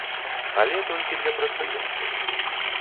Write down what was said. Але толькі для прадпрыемстваў.